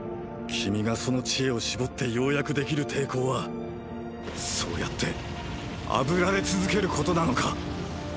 君がその知恵を絞ってようやくできる抵抗はそうやって炙られ続けることなのか？